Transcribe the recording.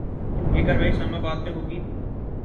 یہ کارروائی اسلام آباد میں ہو گی۔